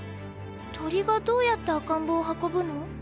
鳥がどうやって赤ん坊を運ぶの？